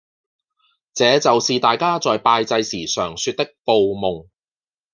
這就是大家在拜祭時常說旳報夢